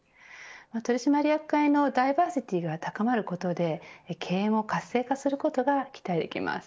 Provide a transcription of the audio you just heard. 取締役会のダイバーシティーが高まることで経営を活性化することが期待できます。